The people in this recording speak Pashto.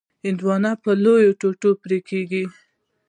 هندوانه په لویو ټوټو پرې کېږي.